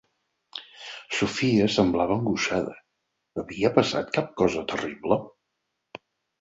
Sophia semblava angoixada, havia passat cap cosa terrible?